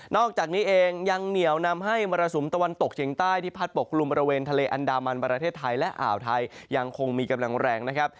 อกจากนี้เองยังเหนียวนำให้มรสุมตะวันตกเฉียงใต้ที่พัดปกลุ่มบริเวณทะเลอันดามันประเทศไทยและอ่าวไทยยังคงมีกำลังแรงนะครับ